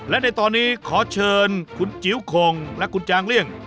และในตอนนี้ขอเชิญคุณจิ๋วคงและคุณจางเลี่ยง